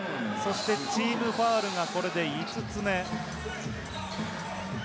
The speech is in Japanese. チームファウルがこれで５つ目。